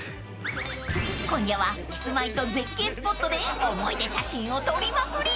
［今夜はキスマイと絶景スポットで思い出写真を撮りまくり］